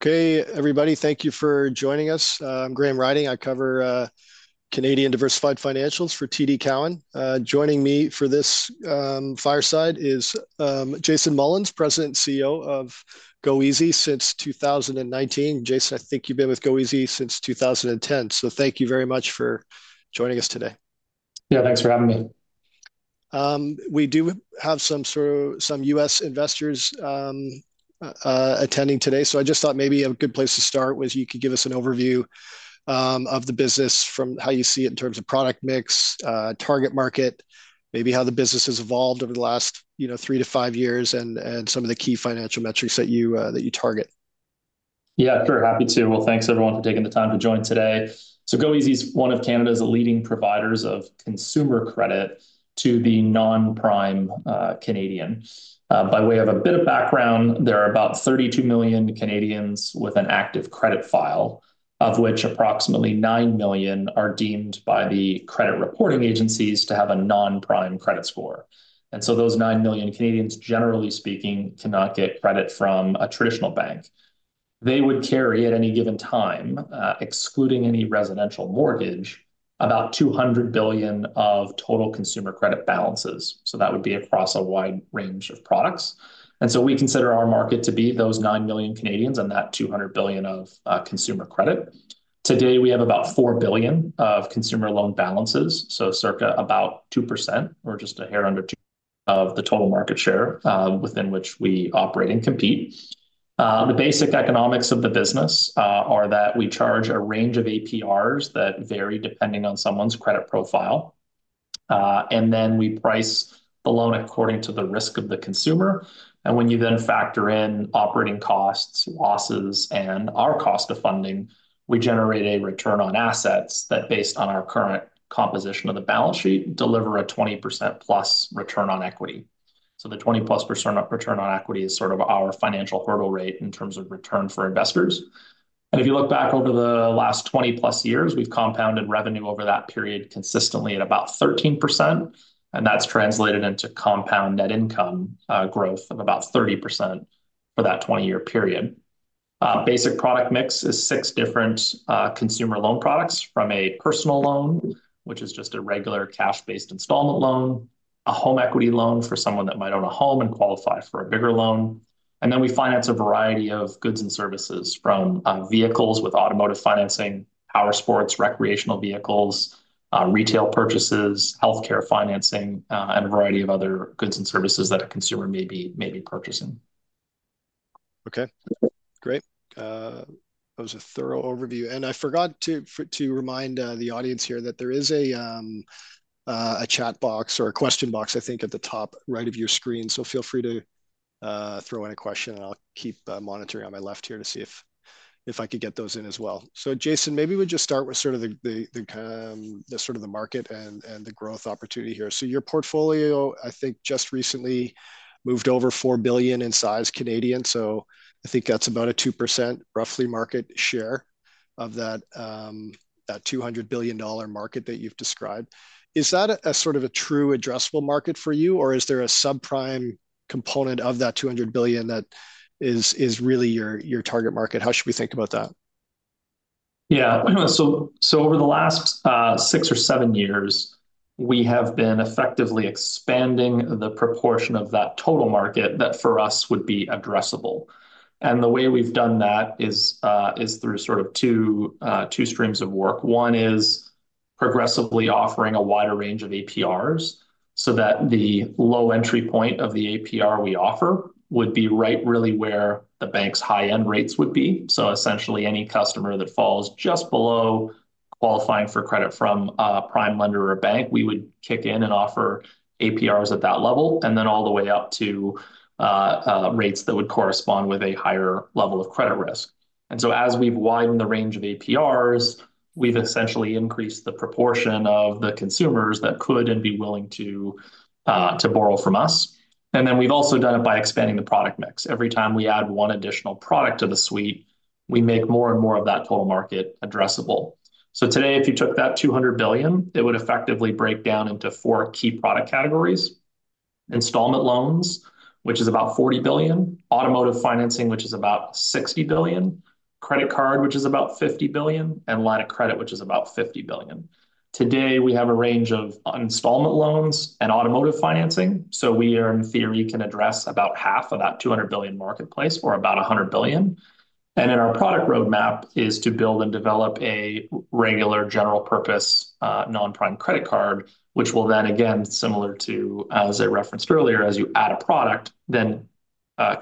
Okay, everybody, thank you for joining us. I'm Graham Ryding. I cover Canadian diversified financials for TD Cowen. Joining me for this fireside is Jason Mullins, President and CEO of goeasy since 2019. Jason, I think you've been with goeasy since 2010, so thank you very much for joining us today. Yeah, thanks for having me. We do have some U.S. investors attending today, so I just thought maybe a good place to start was you could give us an overview of the business from how you see it in terms of product mix, target market, maybe how the business has evolved over the last, you know, three to five years, and some of the key financial metrics that you target. Yeah, very happy to. Well, thanks, everyone, for taking the time to join today. So goeasy is one of Canada's leading providers of consumer credit to the non-prime Canadians. By way of a bit of background, there are about 32 million Canadians with an active credit file, of which approximately 9 million are deemed by the credit reporting agencies to have a non-prime credit score. And so those 9 million Canadians, generally speaking, cannot get credit from a traditional bank. They would carry, at any given time, excluding any residential mortgage, about 200 billion of total consumer credit balances, so that would be across a wide range of products. And so we consider our market to be those 9 million Canadians and that 200 billion of consumer credit. Today, we have about 4 billion of consumer loan balances, so circa about 2% or just a hair under 2% of the total market share, within which we operate and compete. The basic economics of the business are that we charge a range of APRs that vary depending on someone's credit profile, and then we price the loan according to the risk of the consumer. And when you then factor in operating costs, losses, and our cost of funding, we generate a return on assets that, based on our current composition of the balance sheet, deliver a 20%+ return on equity. So the 20%+ return on equity is sort of our financial hurdle rate in terms of return for investors. If you look back over the last 20+ years, we've compounded revenue over that period consistently at about 13%, and that's translated into compound net income growth of about 30% for that 20-year period. Basic product mix is six different consumer loan products, from a personal loan, which is just a regular cash-based installment loan, a home equity loan for someone that might own a home and qualify for a bigger loan, and then we finance a variety of goods and services, from vehicles with automotive financing, powersports, recreational vehicles, retail purchases, healthcare financing, and a variety of other goods and services that a consumer may be purchasing. Okay, great. That was a thorough overview, and I forgot to remind the audience here that there is a chat box or a question box, I think, at the top right of your screen. So feel free to throw in a question, and I'll keep monitoring on my left here to see if I could get those in as well. So, Jason, maybe we'll just start with sort of the market and the growth opportunity here. So your portfolio, I think, just recently moved over 4 billion in size Canadian, so I think that's about a 2%, roughly, market share of that 200 billion-dollar market that you've described. Is that a sort of true addressable market for you, or is there a subprime component of that 200 billion that is really your target market? How should we think about that? Yeah. So over the last six or seven years, we have been effectively expanding the proportion of that total market that, for us, would be addressable. And the way we've done that is through sort of two streams of work. One is progressively offering a wider range of APRs so that the low entry point of the APR we offer would be right really where the bank's high-end rates would be. So essentially, any customer that falls just below qualifying for credit from a prime lender or a bank, we would kick in and offer APRs at that level, and then all the way up to rates that would correspond with a higher level of credit risk. As we've widened the range of APRs, we've essentially increased the proportion of the consumers that could and be willing to to borrow from us. We've also done it by expanding the product mix. Every time we add one additional product to the suite, we make more and more of that total market addressable. Today, if you took that 200 billion, it would effectively break down into four key product categories: installment loans, which is about 40 billion. Automotive financing, which is about 60 billion. Credit card, which is about 50 billion. And line of credit, which is about 50 billion. Today, we have a range of installment loans and automotive financing, so we are, in theory, can address about half of that 200 billion marketplace, or about 100 billion. And in our product roadmap is to build and develop a regular, general-purpose, non-prime credit card, which will then again, similar to, as I referenced earlier, as you add a product, then,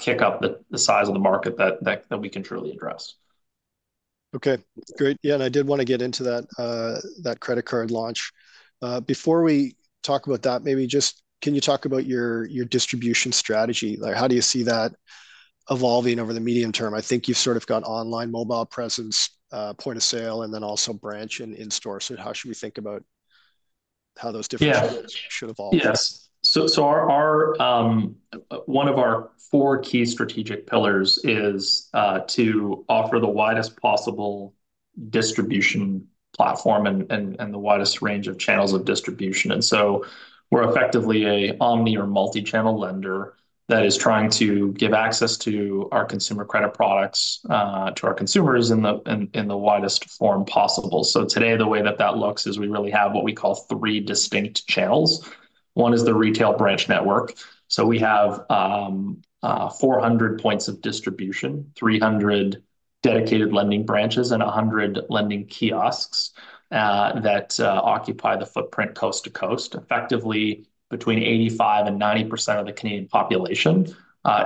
kick up the size of the market that we can truly address. Okay, great. Yeah, and I did wanna get into that, that credit card launch. Before we talk about that, maybe just can you talk about your, your distribution strategy? Like, how do you see that evolving over the medium term? I think you've sort of got online, mobile presence, point of sale, and then also branch and in-store. So how should we think about how those different- Yeah strategies should evolve? Yes. So our one of our four key strategic pillars is to offer the widest possible distribution platform and the widest range of channels of distribution. So we're effectively a omni or multi-channel lender that is trying to give access to our consumer credit products to our consumers in the widest form possible. So today, the way that that looks is we really have what we call three distinct channels. One is the retail branch network. So we have 400 points of distribution, 300 dedicated lending branches, and 100 lending kiosks that occupy the footprint coast to coast. Effectively, between 85%-90% of the Canadian population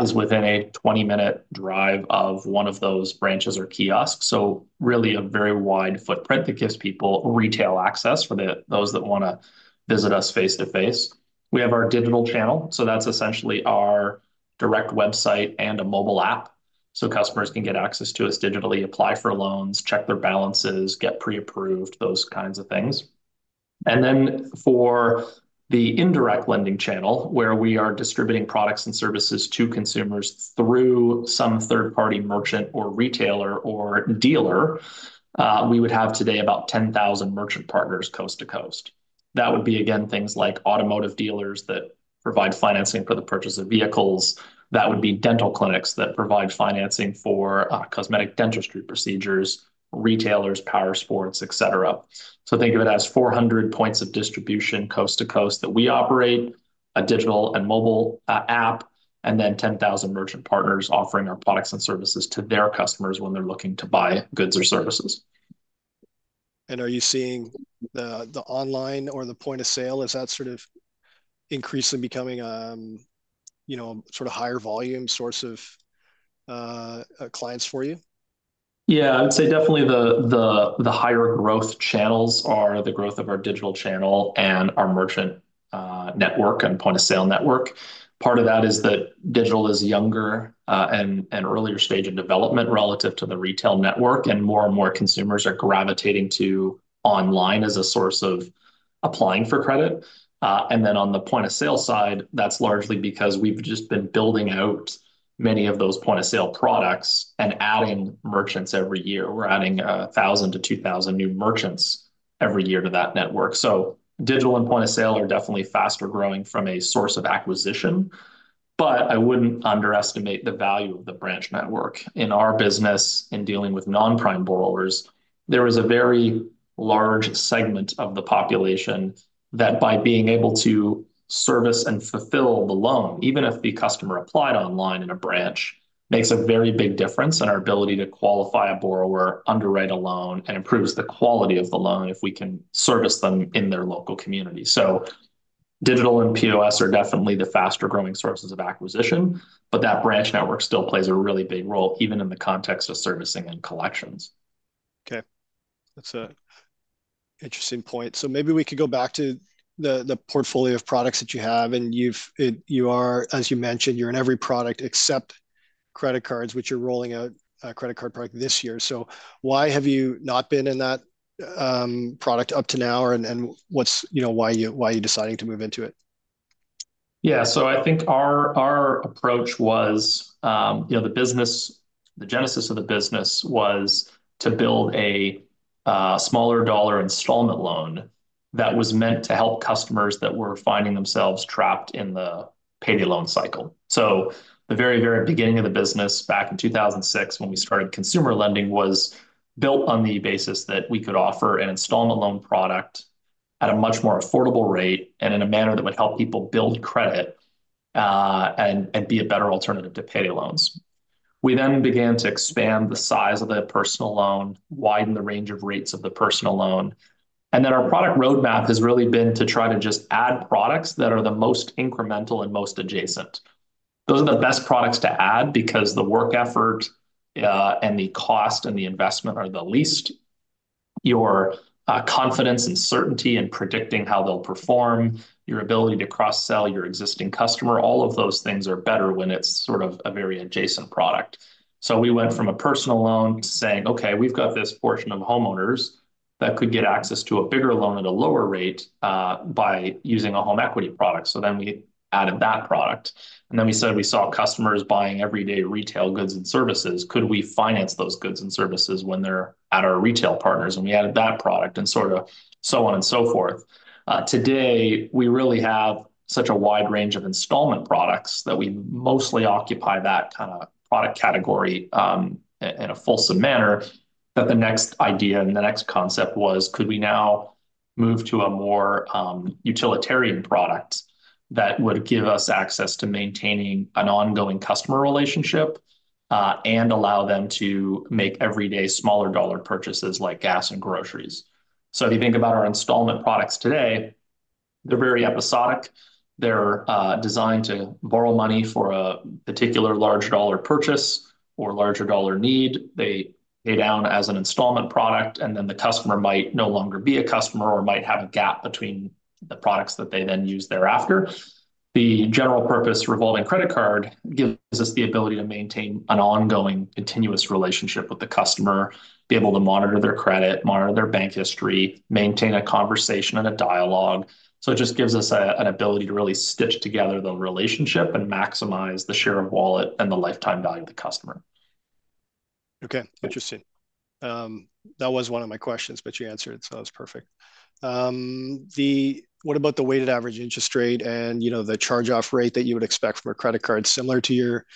is within a 20-minute drive of one of those branches or kiosks. So really a very wide footprint that gives people retail access for those that wanna visit us face-to-face. We have our digital channel, so that's essentially our direct website and a mobile app, so customers can get access to us digitally, apply for loans, check their balances, get pre-approved, those kinds of things. And then for the indirect lending channel, where we are distributing products and services to consumers through some third-party merchant or retailer or dealer, we would have today about 10,000 merchant partners coast to coast. That would be, again, things like automotive dealers that provide financing for the purchase of vehicles. That would be dental clinics that provide financing for cosmetic dentistry procedures, retailers, powersports, et cetera. Think of it as 400 points of distribution coast to coast that we operate, a digital and mobile app, and then 10,000 merchant partners offering our products and services to their customers when they're looking to buy goods or services. Are you seeing the online or the point-of-sale, is that sort of increasingly becoming, you know, sort of higher volume source of clients for you? Yeah, I'd say definitely the higher growth channels are the growth of our digital channel and our merchant network and point-of-sale network. Part of that is that digital is younger and an earlier stage in development relative to the retail network, and more and more consumers are gravitating to online as a source of applying for credit. And then on the point-of-sale side, that's largely because we've just been building out many of those point-of-sale products and adding merchants every year. We're adding 1,000-2,000 new merchants every year to that network. So digital and point of sale are definitely faster-growing from a source of acquisition, but I wouldn't underestimate the value of the branch network. In our business, in dealing with non-prime borrowers, there is a very large segment of the population that by being able to service and fulfil the loan, even if the customer applied online in a branch, makes a very big difference in our ability to qualify a borrower, underwrite a loan, and improves the quality of the loan if we can service them in their local community. So digital and POS are definitely the faster-growing sources of acquisition, but that branch network still plays a really big role, even in the context of servicing and collections. Okay, that's an interesting point. So maybe we could go back to the portfolio of products that you have. And you are, as you mentioned, you're in every product except credit cards, which you're rolling out a credit card product this year. So why have you not been in that product up to now, and what's... you know, why are you deciding to move into it? Yeah. So I think our approach was, you know, the genesis of the business was to build a smaller dollar installment loan that was meant to help customers that were finding themselves trapped in the payday loan cycle. So the very, very beginning of the business, back in 2006, when we started consumer lending, was built on the basis that we could offer an installment loan product at a much more affordable rate, and in a manner that would help people build credit, and be a better alternative to payday loans. We then began to expand the size of the personal loan, widen the range of rates of the personal loan, and then our product roadmap has really been to try to just add products that are the most incremental and most adjacent. Those are the best products to add because the work effort, and the cost and the investment are the least. Your confidence and certainty in predicting how they'll perform, your ability to cross-sell your existing customer, all of those things are better when it's sort of a very adjacent product. So we went from a personal loan to saying, "Okay, we've got this portion of homeowners that could get access to a bigger loan at a lower rate, by using a home equity product." So then we added that product, and then we said we saw customers buying everyday retail goods and services. Could we finance those goods and services when they're at our retail partners? And we added that product, and sorta so on and so forth. Today, we really have such a wide range of installment products that we mostly occupy that kinda product category, in a fulsome manner, that the next idea and the next concept was: Could we now move to a more, utilitarian product that would give us access to maintaining an ongoing customer relationship, and allow them to make everyday smaller dollar purchases, like gas and groceries? So if you think about our installment products today, they're very episodic. They're, designed to borrow money for a particular large dollar purchase or larger dollar need. They pay down as an installment product, and then the customer might no longer be a customer or might have a gap between the products that they then use thereafter. The general purpose revolving credit card gives us the ability to maintain an ongoing, continuous relationship with the customer, be able to monitor their credit, monitor their bank history, maintain a conversation and a dialogue. So it just gives us an ability to really stitch together the relationship and maximize the share of wallet and the lifetime value of the customer. Okay, interesting. That was one of my questions, but you answered, so that's perfect. What about the weighted average interest rate and, you know, the charge-off rate that you would expect from a credit card similar to your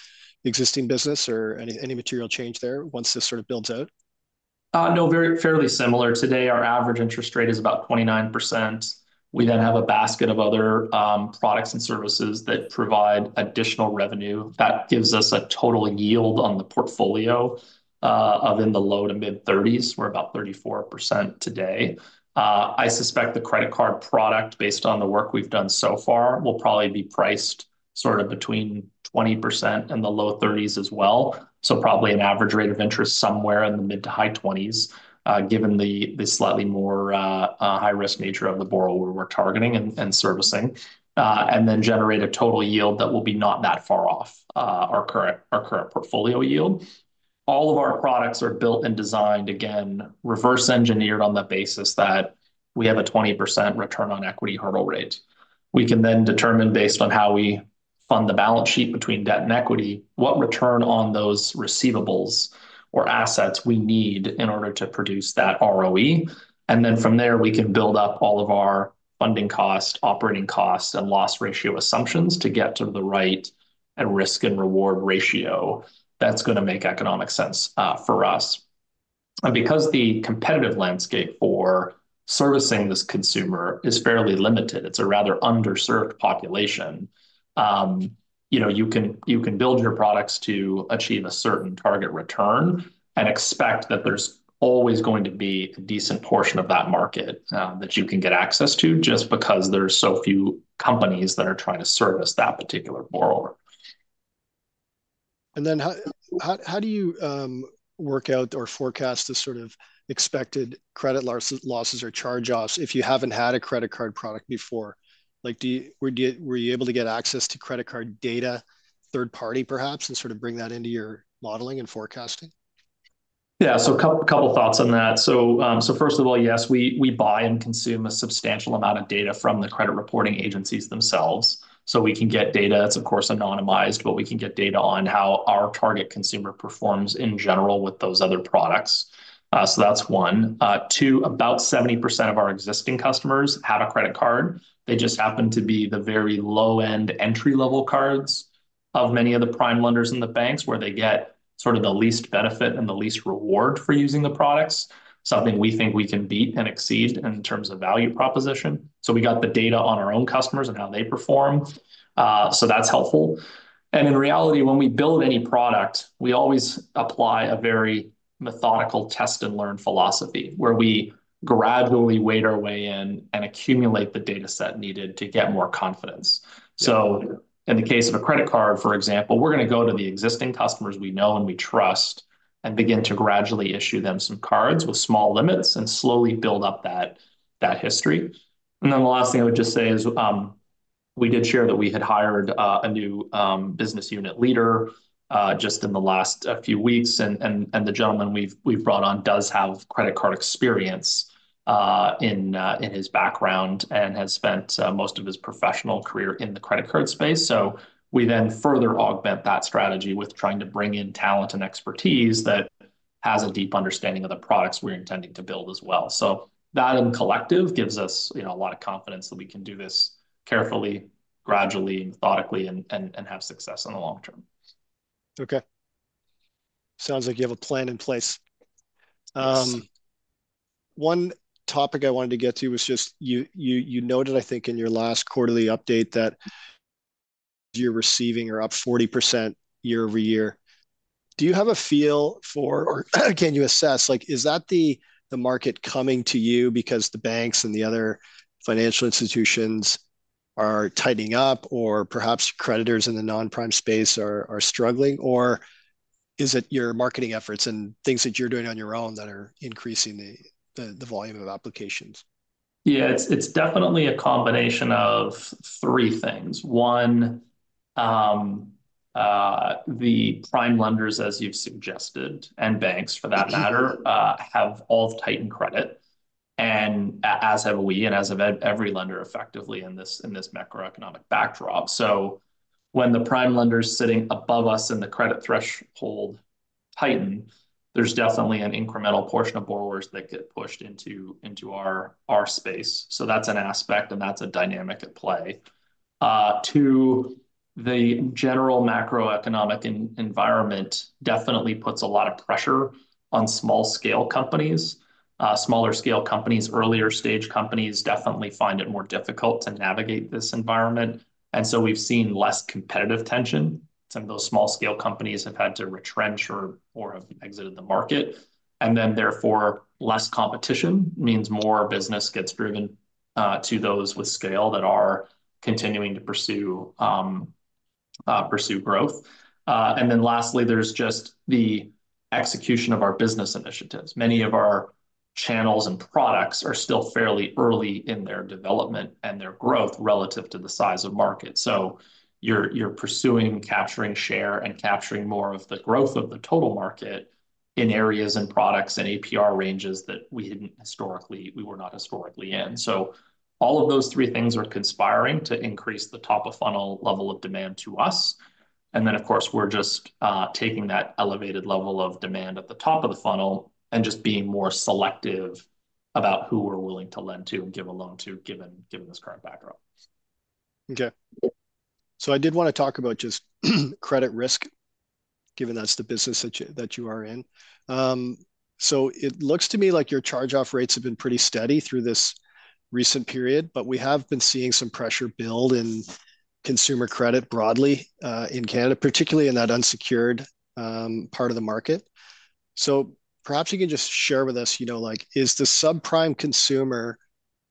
existing business, or any material change there once this sort of builds out? No, very fairly similar. Today, our average interest rate is about 29%. We then have a basket of other, products and services that provide additional revenue that gives us a total yield on the portfolio, of in the low- to mid-30%s. We're about 34% today. I suspect the credit card product, based on the work we've done so far, will probably be priced sort of between 20% and the low 30%s as well, so probably an average rate of interest somewhere in the mid- to high 20%s, given the slightly more, high-risk nature of the borrower we're targeting and servicing. And then generate a total yield that will be not that far off, our current portfolio yield. All of our products are built and designed, again, reverse engineered on the basis that we have a 20% return on equity hurdle rate. We can then determine, based on how we fund the balance sheet between debt and equity, what return on those receivables or assets we need in order to produce that ROE, and then from there, we can build up all of our funding costs, operating costs, and loss ratio assumptions to get to the right risk and reward ratio that's gonna make economic sense, for us. Because the competitive landscape for servicing this consumer is fairly limited, it's a rather underserved population, you know, you can, you can build your products to achieve a certain target return and expect that there's always going to be a decent portion of that market, that you can get access to, just because there are so few companies that are trying to service that particular borrower. Then how do you work out or forecast the sort of expected credit loss, losses or charge-offs if you haven't had a credit card product before? Like, were you able to get access to credit card data, third-party perhaps, and sort of bring that into your modeling and forecasting? Yeah, so a couple thoughts on that. So, first of all, yes, we buy and consume a substantial amount of data from the credit reporting agencies themselves. So we can get data that's, of course, anonymized, but we can get data on how our target consumer performs in general with those other products. So that's one. Two, about 70% of our existing customers have a credit card. They just happen to be the very low-end, entry-level cards of many of the prime lenders in the banks, where they get sort of the least benefit and the least reward for using the products, something we think we can beat and exceed in terms of value proposition. So we got the data on our own customers and how they perform, so that's helpful. In reality, when we build any product, we always apply a very methodical test-and-learn philosophy, where we gradually wade our way in and accumulate the data set needed to get more confidence. In the case of a credit card, for example, we're gonna go to the existing customers we know and we trust, and begin to gradually issue them some cards with small limits, and slowly build up that history. The last thing I would just say is, we did share that we had hired a new business unit leader just in the last few weeks, and the gentleman we've brought on does have credit card experience in his background and has spent most of his professional career in the credit card space. So we then further augment that strategy with trying to bring in talent and expertise that has a deep understanding of the products we're intending to build as well. So that, in collective, gives us, you know, a lot of confidence that we can do this carefully, gradually, methodically, and have success in the long term. Okay. Sounds like you have a plan in place. Yes. One topic I wanted to get to was just, you noted, I think, in your last quarterly update that your receivings are up 40% year-over-year. Do you have a feel for... Or can you assess, like, is that the market coming to you because the banks and the other financial institutions are tightening up, or perhaps creditors in the non-prime space are struggling? Or is it your marketing efforts and things that you're doing on your own that are increasing the volume of applications? Yeah, it's definitely a combination of three things. One, the prime lenders, as you've suggested, and banks, for that matter, have all tightened credit, and as have we, and as have every lender effectively in this macroeconomic backdrop. So when the prime lender's sitting above us and the credit threshold tighten, there's definitely an incremental portion of borrowers that get pushed into our space. So that's an aspect, and that's a dynamic at play. Two, the general macroeconomic environment definitely puts a lot of pressure on small-scale companies. Smaller-scale companies, earlier-stage companies, definitely find it more difficult to navigate this environment, and so we've seen less competitive tension. Some of those small-scale companies have had to retrench or have exited the market, and then therefore, less competition means more business gets driven to those with scale that are continuing to pursue growth. And then lastly, there's just the execution of our business initiatives. Many of our channels and products are still fairly early in their development and their growth relative to the size of market. So you're pursuing capturing share and capturing more of the growth of the total market in areas and products and APR ranges that we hadn't historically, we were not historically in. So all of those three things are conspiring to increase the top-of-funnel level of demand to us, and then, of course, we're just taking that elevated level of demand at the top of the funnel and just being more selective- about who we're willing to lend to and give a loan to, given this current backdrop. Okay. So I did wanna talk about just credit risk, given that's the business that you are in. So it looks to me like your charge-off rates have been pretty steady through this recent period, but we have been seeing some pressure build in consumer credit broadly, in Canada, particularly in that unsecured, part of the market. So perhaps you can just share with us, you know, like, is the subprime consumer,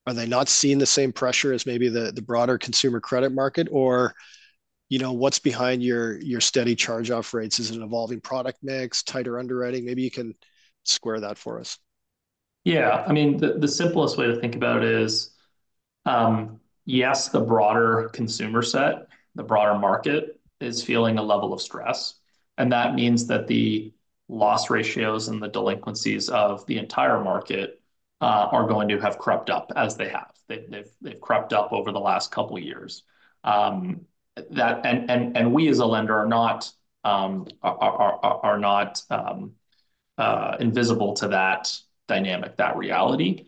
are they not seeing the same pressure as maybe the broader consumer credit market? Or, you know, what's behind your steady charge-off rates? Is it an evolving product mix, tighter underwriting? Maybe you can square that for us. Yeah, I mean, the simplest way to think about it is, yes, the broader consumer set, the broader market, is feeling a level of stress, and that means that the loss ratios and the delinquencies of the entire market are going to have crept up, as they have. They've crept up over the last couple years. We as a lender are not invisible to that dynamic, that reality.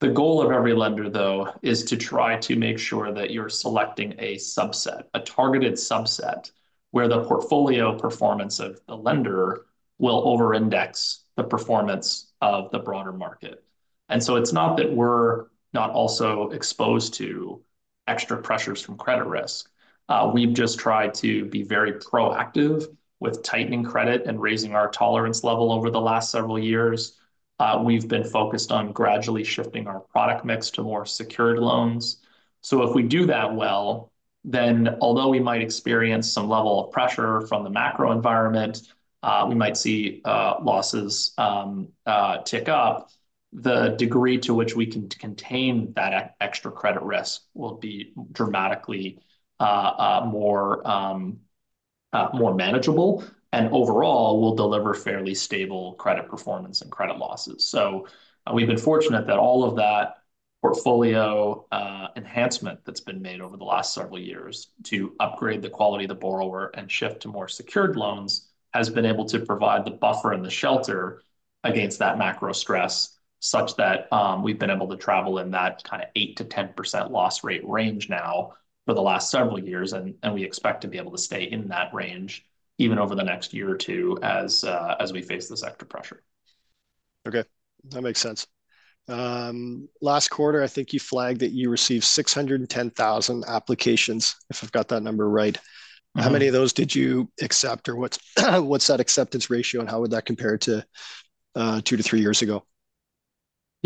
The goal of every lender, though, is to try to make sure that you're selecting a subset, a targeted subset, where the portfolio performance of the lender will over-index the performance of the broader market. And so it's not that we're not also exposed to extra pressures from credit risk, we've just tried to be very proactive with tightening credit and raising our tolerance level over the last several years. We've been focused on gradually shifting our product mix to more secured loans. So if we do that well, then although we might experience some level of pressure from the macro environment, we might see losses tick up, the degree to which we can contain that extra credit risk will be dramatically more manageable, and overall, will deliver fairly stable credit performance and credit losses. So we've been fortunate that all of that portfolio enhancement that's been made over the last several years to upgrade the quality of the borrower and shift to more secured loans, has been able to provide the buffer and the shelter against that macro stress, such that, we've been able to travel in that kind of 8%-10% loss rate range now for the last several years, and we expect to be able to stay in that range even over the next year or two as, as we face this extra pressure. Okay, that makes sense. Last quarter, I think you flagged that you received 610,000 applications, if I've got that number right. How many of those did you accept, or what's, what's that acceptance ratio, and how would that compare to two to three years ago?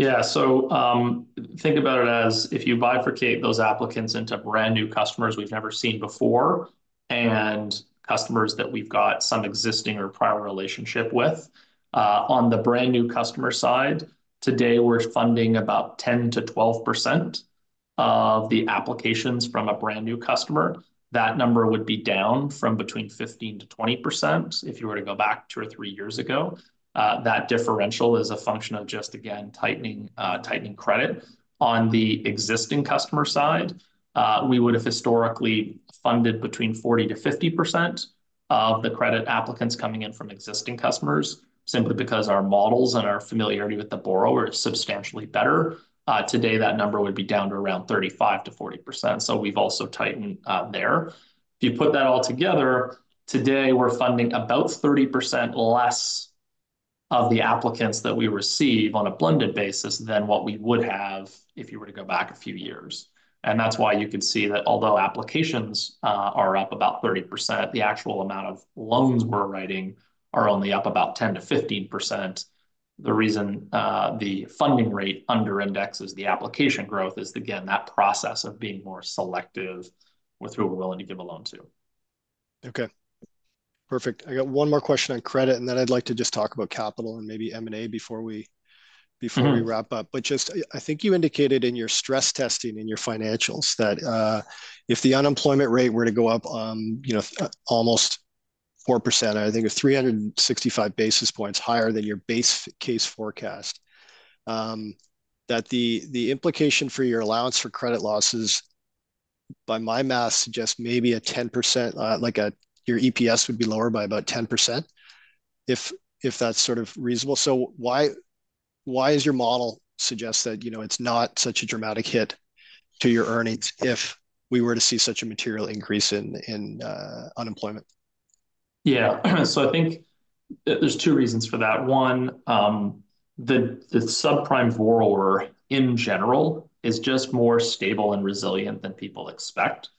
Yeah, so, think about it as if you bifurcate those applicants into brand-new customers we've never seen before, and-customers that we've got some existing or prior relationship with. On the brand-new customer side, today we're funding about 10%-12% of the applications from a brand-new customer. That number would be down from between 15%-20%, if you were to go back two or three years ago. That differential is a function of just, again, tightening credit. On the existing customer side, we would've historically funded between 40%-50% of the credit applicants coming in from existing customers, simply because our models and our familiarity with the borrower is substantially better. Today, that number would be down to around 35%-40%, so we've also tightened there. If you put that all together, today, we're funding about 30% less of the applicants that we receive on a blended basis than what we would have if you were to go back a few years. And that's why you can see that although applications are up about 30%, the actual amount of loans we're writing are only up about 10%-15%. The reason the funding rate under indexes the application growth is, again, that process of being more selective with who we're willing to give a loan to. Okay. Perfect. I got one more question on credit, and then I'd like to just talk about capital and maybe M&A before we, before we wrap up. But just, I think you indicated in your stress testing in your financials that if the unemployment rate were to go up, you know, almost 4%, I think it's 365 basis points higher than your base case forecast, that the implication for your allowance for credit losses, by my math, suggests maybe a 10%, like, your EPS would be lower by about 10%, if that's sort of reasonable. So why is your model suggest that, you know, it's not such a dramatic hit to your earnings if we were to see such a material increase in unemployment? Yeah. So I think there's two reasons for that. One, the subprime borrower in general is just more stable and resilient than people expect.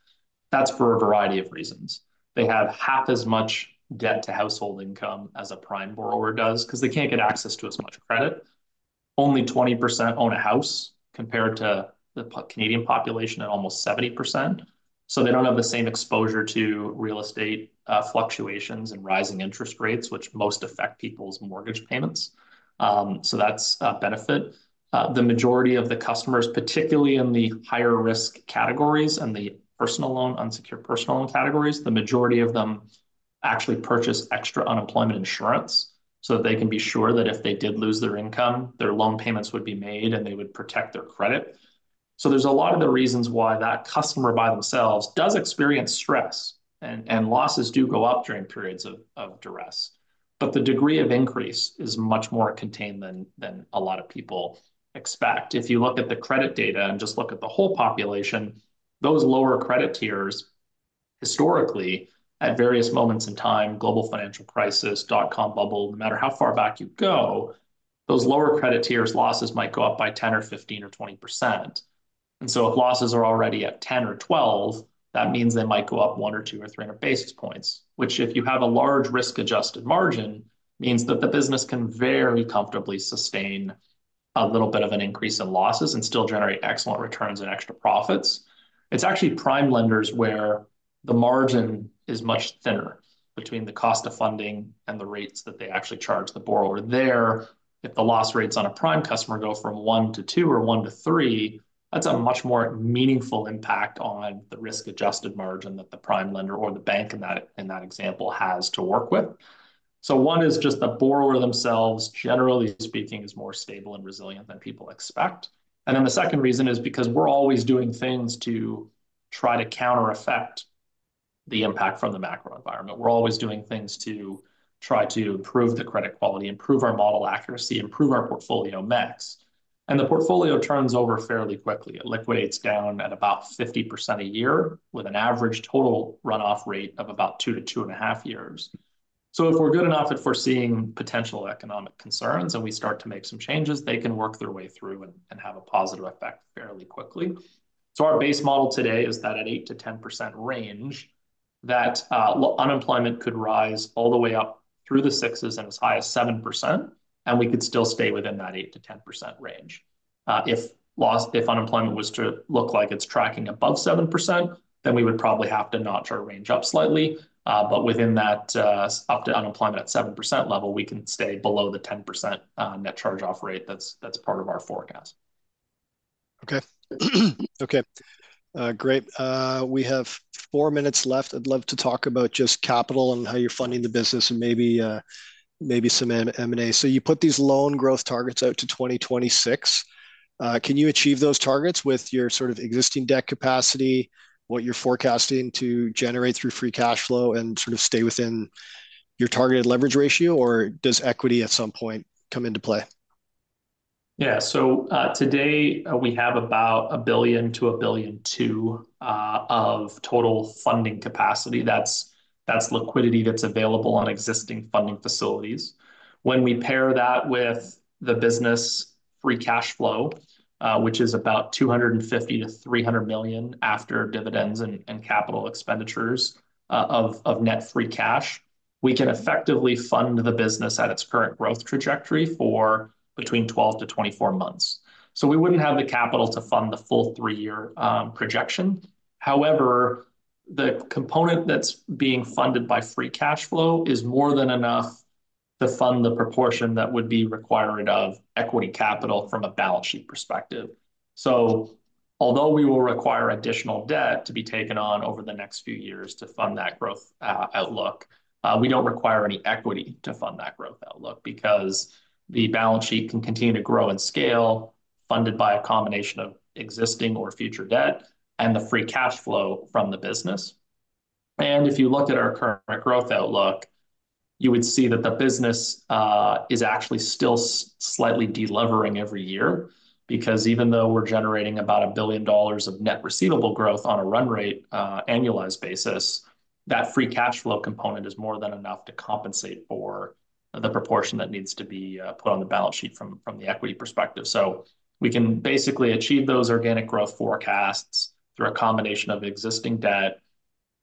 That's for a variety of reasons. They have half as much debt to household income as a prime borrower does, 'cause they can't get access to as much credit. Only 20% own a house, compared to the Canadian population at almost 70%, so they don't have the same exposure to real estate, fluctuations and rising interest rates, which most affect people's mortgage payments. So that's a benefit. The majority of the customers, particularly in the higher-risk categories and the personal loan, unsecured personal loan categories, the majority of them actually purchase extra unemployment insurance so that they can be sure that if they did lose their income, their loan payments would be made, and they would protect their credit. So there's a lot of the reasons why that customer by themselves does experience stress, and losses do go up during periods of duress. But the degree of increase is much more contained than a lot of people expect. If you look at the credit data and just look at the whole population, those lower credit tiers, historically, at various moments in time, global financial crisis, dot-com bubble, no matter how far back you go, those lower credit tiers losses might go up by 10% or 15% or 20%. And so if losses are already at 10% or 12%, that means they might go up 100 or 200 or 300 basis points, which if you have a large risk-adjusted margin, means that the business can very comfortably sustain a little bit of an increase in losses and still generate excellent returns and extra profits. It's actually prime lenders where the margin is much thinner between the cost of funding and the rates that they actually charge the borrower there. If the loss rates on a prime customer go from one to two or one to three, that's a much more meaningful impact on the risk-adjusted margin that the prime lender or the bank in that, in that example has to work with. So one is just the borrower themselves, generally speaking, is more stable and resilient than people expect. And then the second reason is because we're always doing things to try to countereffect the impact from the macro environment. We're always doing things to try to improve the credit quality, improve our model accuracy, improve our portfolio mix. And the portfolio turns over fairly quickly. It liquidates down at about 50% a year, with an average total runoff rate of about 2-2.5 years. So if we're good enough at foreseeing potential economic concerns, and we start to make some changes, they can work their way through and have a positive effect fairly quickly. So our base model today is that at 8%-10% range, unemployment could rise all the way up through the 6s and as high as 7%, and we could still stay within that 8%-10% range. If unemployment was to look like it's tracking above 7%, then we would probably have to notch our range up slightly, but within that, up to unemployment at 7% level, we can stay below the 10% net charge-off rate that's part of our forecast. Okay. Okay, great. We have four minutes left. I'd love to talk about just capital and how you're funding the business and maybe some M&A. So you put these loan growth targets out to 2026. Can you achieve those targets with your sort of existing debt capacity, what you're forecasting to generate through free cash flow and sort of stay within your targeted leverage ratio, or does equity at some point come into play? Yeah. So, today, we have about 1 billion-1.2 billion of total funding capacity. That's, that's liquidity that's available on existing funding facilities. When we pair that with the business free cash flow, which is about 250-300 million after dividends and capital expenditures, of net free cash, we can effectively fund the business at its current growth trajectory for between 12-24 months. So we wouldn't have the capital to fund the full three-year projection. However, the component that's being funded by free cash flow is more than enough to fund the proportion that would be required of equity capital from a balance sheet perspective. So although we will require additional debt to be taken on over the next few years to fund that growth outlook, we don't require any equity to fund that growth outlook, because the balance sheet can continue to grow and scale, funded by a combination of existing or future debt and the free cash flow from the business. And if you looked at our current growth outlook, you would see that the business is actually still slightly delevering every year, because even though we're generating about 1 billion dollars of net receivable growth on a run rate annualized basis, that free cash flow component is more than enough to compensate for the proportion that needs to be put on the balance sheet from the equity perspective. We can basically achieve those organic growth forecasts through a combination of existing debt,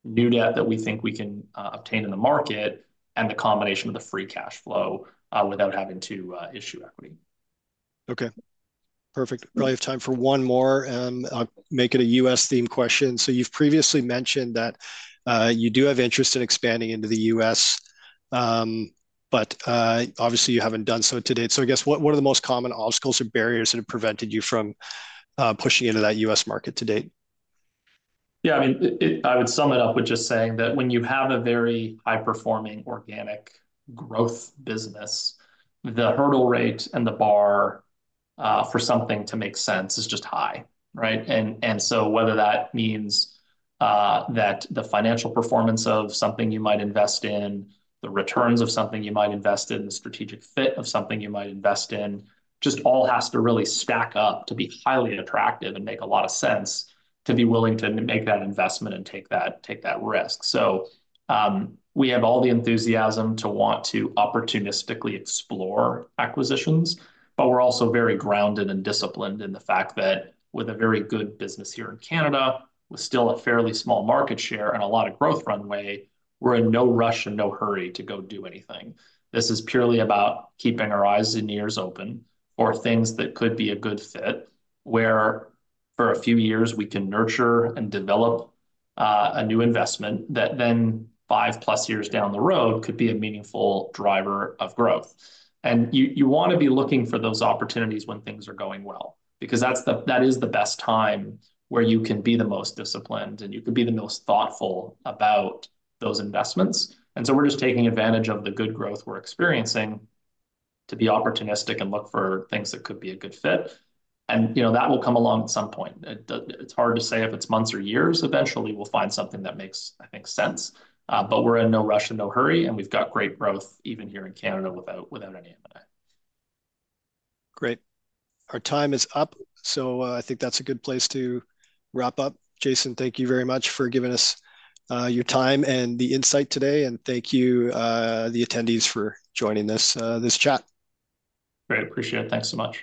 new debt that we think we can obtain in the market, and the combination of the free cash flow without having to issue equity. Okay. Perfect. We probably have time for one more, and I'll make it a U.S.-themed question. So you've previously mentioned that you do have interest in expanding into the U.S., but obviously you haven't done so to date. So I guess, what are the most common obstacles or barriers that have prevented you from pushing into that U.S. market to date? Yeah, I mean, it, it-- I would sum it up with just saying that when you have a very high-performing organic growth business, the hurdle rate and the bar for something to make sense is just high, right? And so whether that means that the financial performance of something you might invest in, the returns of something you might invest in, the strategic fit of something you might invest in, just all has to really stack up to be highly attractive and make a lot of sense to be willing to make that investment and take that risk. So, we have all the enthusiasm to want to opportunistically explore acquisitions, but we're also very grounded and disciplined in the fact that with a very good business here in Canada, with still a fairly small market share and a lot of growth runway, we're in no rush and no hurry to go do anything. This is purely about keeping our eyes and ears open for things that could be a good fit, where for a few years we can nurture and develop a new investment, that then five-plus years down the road, could be a meaningful driver of growth. You wanna be looking for those opportunities when things are going well, because that's the best time where you can be the most disciplined, and you can be the most thoughtful about those investments. And so we're just taking advantage of the good growth we're experiencing to be opportunistic and look for things that could be a good fit. And, you know, that will come along at some point. It's hard to say if it's months or years. Eventually, we'll find something that makes, I think, sense. But we're in no rush and no hurry, and we've got great growth even here in Canada, without any M&A. Great. Our time is up, so, I think that's a good place to wrap up. Jason, thank you very much for giving us, your time and the insight today, and thank you, the attendees for joining this, this chat. Great. Appreciate it. Thanks so much.